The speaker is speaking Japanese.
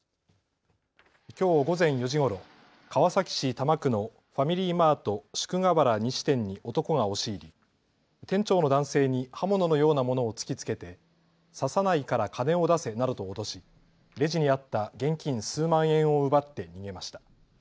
きょう午前４時ごろ、川崎市多摩区のファミリーマート宿河原西店に男が押し入り店長の男性に刃物のようなものを突きつけて刺さないから金を出せなどと脅しレジにあった現金数万円を奪って逃げました。